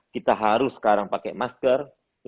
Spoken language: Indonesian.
kita harus sekarang pakai masker